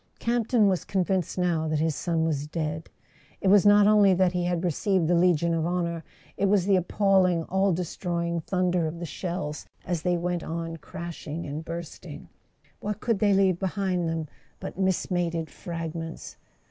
Campton was convinced now that his son was dead. It was not only that he had received the Legion of Honour; it was the appalling all destroying thunder of the shells as they went on crashing and bursting. What could they leave behind them but mismated fragments?